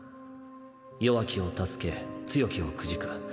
弱きを助け強きをくじく。